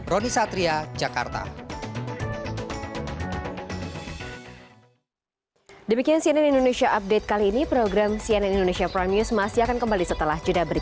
roni satria jakarta